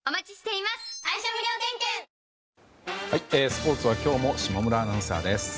スポーツは今日も、下村アナウンサーです。